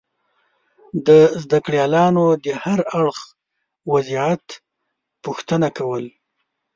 د زده کړیالانو دهر اړخیز وضعیت پوښتنه کول